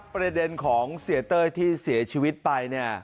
ประเด็นของเสียเต้ยที่เสียชีวิตไปเนี่ย